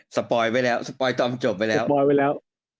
สปอยด์ไปแล้วสปอยด์ตอนจบไปแล้ว